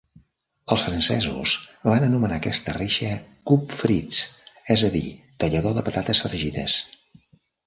Els francesos van anomenar aquesta reixa "coupe-frites", és a dir, tallador de patates fregides.